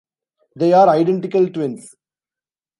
They are identical twins.